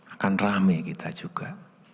akan rame kita juga